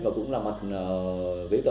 và cũng là mặt giấy tờ